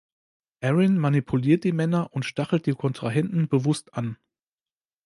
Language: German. Erin manipuliert die Männer und stachelt die Kontrahenten bewusst an.